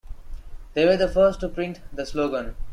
They were the first to print the slogan.